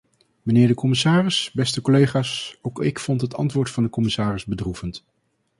Mijnheer de commissaris, beste collega's, ook ik vond het antwoord van de commissaris bedroevend.